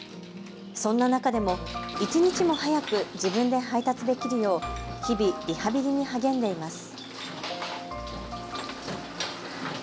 そんな中でも一日も早く自分で配達できるよう日々、リハビリに励んでいます。